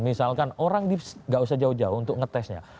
misalkan orang gak usah jauh jauh untuk ngetesnya